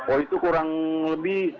oh itu kurang lebih